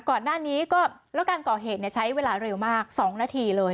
ก่อนหน้านี้ก็แล้วการก่อเหตุใช้เวลาเร็วมาก๒นาทีเลย